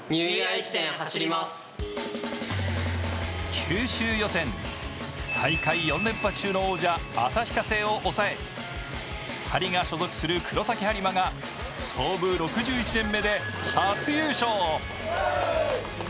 九州予選、大会４連覇中の王者、旭化成を抑え２人が所属する黒崎播磨が創部６１年目で初優勝。